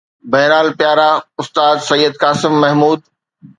بهرحال پيارا استاد سيد قاسم محمود